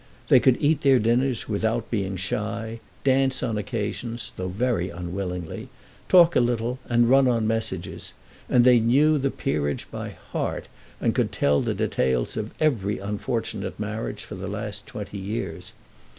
They could eat their dinners without being shy, dance on occasions, though very unwillingly, talk a little, and run on messages; and they knew the peerage by heart, and could tell the details of every unfortunate marriage for the last twenty years.